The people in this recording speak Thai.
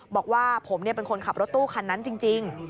บอกว่าผมเป็นคนขับรถตู้คันนั้นจริง